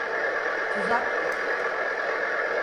Tuzak bu!